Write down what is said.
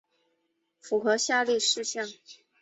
符合下列事项